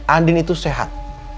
andin itu sehat